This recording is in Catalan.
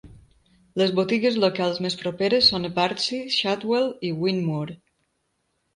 Les botigues locals més properes són a Bardsey, Shadwell i Whinmoor.